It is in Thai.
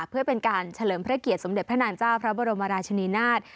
เพื่อเป็นการเฉลิมพระเกียรติสมเด็จพระนางเจ้าพระบรมราชนีนาฏ